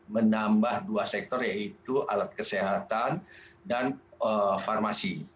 menambah dua sektor yaitu alat kesehatan dan farmasi